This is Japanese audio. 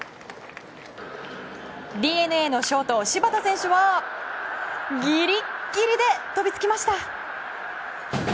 ＤｅＮＡのショート、柴田選手はギリギリで飛びつきました。